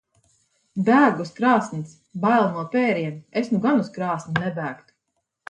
Bēg uz krāsns. Bail no pēriena. Es nu gan uz krāsni nebēgtu.